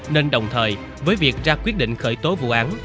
nên đồng thời với việc ra quyết định khởi tố vụ án